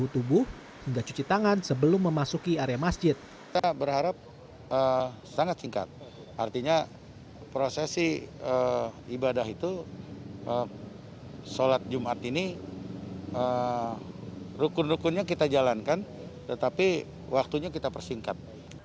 tetapi waktunya kita persingkat